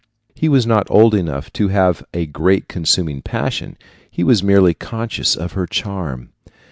He was not old enough to have a great consuming passion, he was merely conscious of her charm.